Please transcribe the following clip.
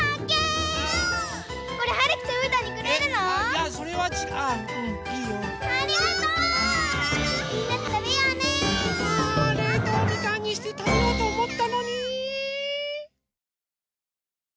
あれいとうみかんにしてたべようとおもったのに。